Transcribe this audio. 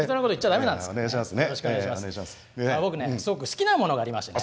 あ僕ねすごく好きなものがありましてね。